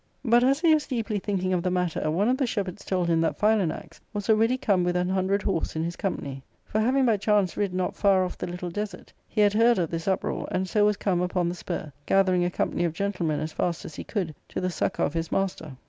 But, as he was deeply thinking of the matter, one of the shepherds told him that Philanax was already come with an hundred horse in his company. For having by chance rid not far off the little desert, he had heard of this uptoar, and so was come upon the spur, gathering a company of gentle men as fast as he could, to the succour of his master.